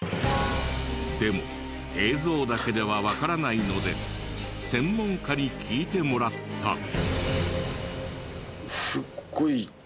でも映像だけではわからないので専門家に聞いてもらった。